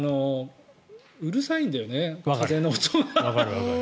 うるさいんだよね風の音が。